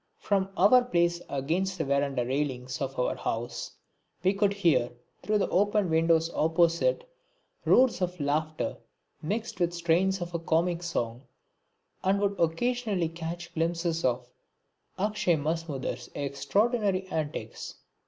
From our place against the verandah railings of our house we could hear, through the open windows opposite, roars of laughter mixed with the strains of a comic song, and would also occasionally catch glimpses of Akshay Mazumdar's extraordinary antics.